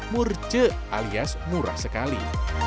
murce alias murah sekali